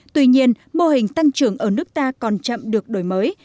tuy nhiên mô hình tăng trưởng ở nước ta còn chậm được đổi mới